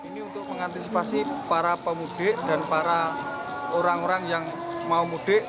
ini untuk mengantisipasi para pemudik dan para orang orang yang mau mudik